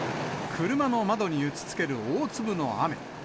車の窓に打ちつける大粒の雨。